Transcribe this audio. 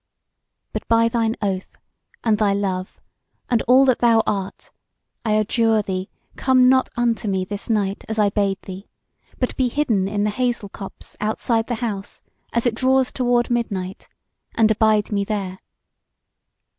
But by thine oath, and thy love, and all that thou art, I adjure thee come not unto me this night as I bade thee! but be hidden in the hazel copse outside the house, as it draws toward midnight, and abide me there.